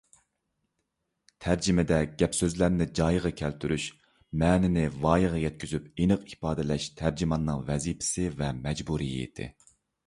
تەرجىمىدە گەپ - سۆزلەرنى جايىغا كەلتۈرۈش، مەنىنى ۋايىغا يەتكۈزۈپ ئېنىق ئىپادىلەش تەرجىماننىڭ ۋەزىپىسى ۋە مەجبۇرىيىتى.